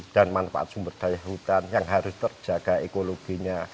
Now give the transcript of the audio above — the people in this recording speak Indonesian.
dan manfaat sumber daya hutan yang harus terjaga ekologinya